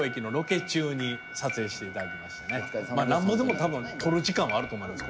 なんぼでも撮る時間はあると思われます。